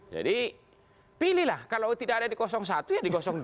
jadi pilihlah kalau tidak ada di satu ya di dua